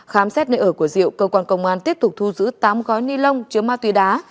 khám xét nơi ở của diệu cơ quan công an tiếp tục thu giữ tám gói ni lông chứa ma túy đá